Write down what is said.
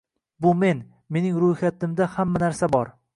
Bu men! Mening ruhiyatimda hamma narsa bor!